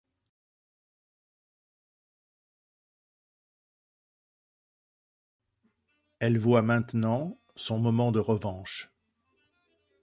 Elle voit maintenant son moment de revanche.